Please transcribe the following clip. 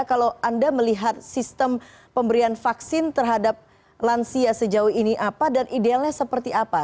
kalau anda melihat sistem pemberian vaksin terhadap lansia sejauh ini apa dan idealnya seperti apa